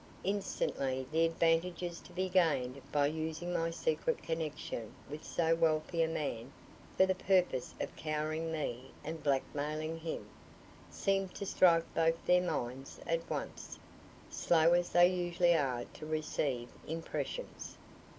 Instantly the advantages to be gained by using my secret connection with so wealthy a man for the purpose of cowering me and blackmailing him, seemed to strike both their minds at once, slow as they usually are to receive impressions.